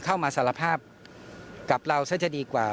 สารภาพกับเราซะจะดีกว่า